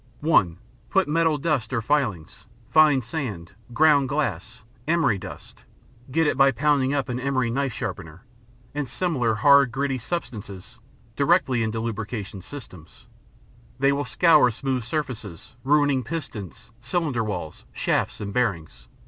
(1) Put metal dust or filings, fine sand, ground glass, emery dust (get it by pounding up an emery knife sharpener) and similar hard, gritty substances directly into lubrication systems. They will scour smooth surfaces, ruining pistons, cylinder walls, shafts, and bearings.